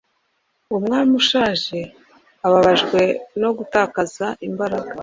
Umwami ushaje ababajwe no gutakaza imbaraga